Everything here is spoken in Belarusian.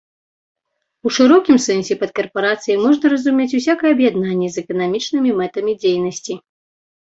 У шырокім сэнсе пад карпарацыяй можна разумець усякае аб'яднанне з эканамічнымі мэтамі дзейнасці.